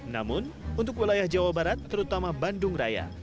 namun untuk wilayah jawa barat terutama bandung raya